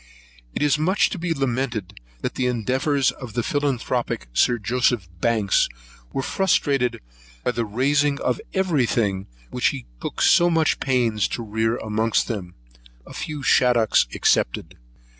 It is much to be lamented, that the endeavours of the philanthropic Sir Joseph Banks were frustrated, by their razing of every thing which he took so much pains to rear amongst them, a few shaddocks excepted.